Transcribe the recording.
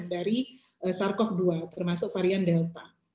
dari sars cov dua termasuk varian delta